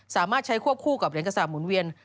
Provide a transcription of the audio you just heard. สามารถใช้ควบคู่กับเหรียญกระสาปหมุนเวียน